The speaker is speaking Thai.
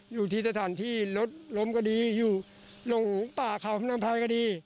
อยู่ที่สถานที่รถล้มก็ดีอยู่หลงป่าเขาพนังภัยก็ดี